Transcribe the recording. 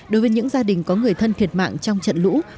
đối với những gia đình có người thân thiệt mạng trong trận lũ